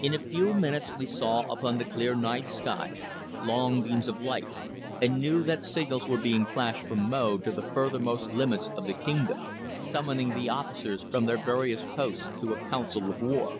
In a few minutes we saw upon the clear night sky long beams of light, and knew that signals were being flashed from Mo to the furthermost limits of the kingdom, summoning the officers from their various posts to a council of war.